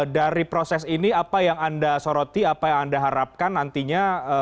dari proses ini apa yang anda soroti apa yang anda harapkan nantinya